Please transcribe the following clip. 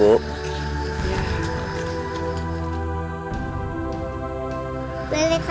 aku main yang lain aja